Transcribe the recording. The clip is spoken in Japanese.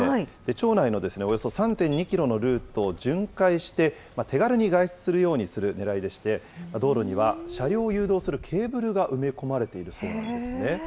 町内のおよそ３．２キロのルートを巡回して、手軽に外出するようにするねらいでして、道路には車両を誘導するケーブルが埋め込まれているそうなんですね。